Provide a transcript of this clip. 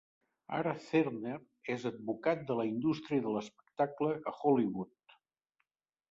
Ara Zerner és advocat de la indústria de l'espectacle a Hollywood.